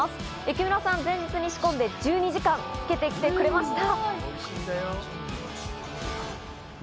木村さん、前日に仕込んで、１２時間、漬け込んできてくれました。